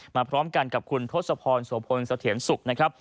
พร้อมกันกับคุณทศพรโสพลเสถียรสุขนะครับ